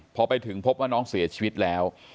พอไปถึงพบว่าน้องเสียชีวิตแล้ว